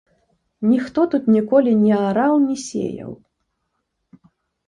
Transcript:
Ніхто тут ніколі не араў, не сеяў.